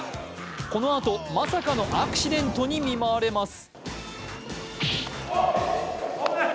このあと、まさかのアクシデントに見舞われます。